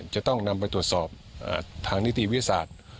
จะต้องนำไปตรวจสอบทางนิติวิทยาศาสตร์